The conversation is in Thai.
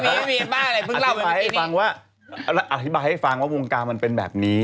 ไม่มีไม่มีไม่มีอัธิบายให้ฟังว่าวงกามันเป็นแบบนี้